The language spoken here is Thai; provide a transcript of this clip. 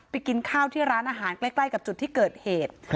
กินข้าวที่ร้านอาหารใกล้กับจุดที่เกิดเหตุ